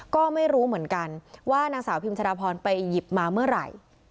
ก็ไม่รู้เหมือนกันว่านางสาวพิมชะดาพรไปหยิบมาเมื่อไหร่